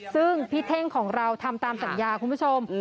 ซึ่งพี่เท่งของเราทำตามสัญญาคุณผู้ชม